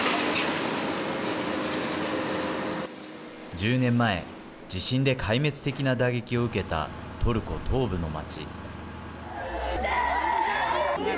１０年前地震で壊滅的な打撃を受けたトルコ東部の街。